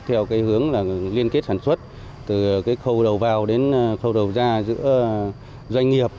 theo hướng liên kết sản xuất từ khâu đầu vào đến khâu đầu ra giữa doanh nghiệp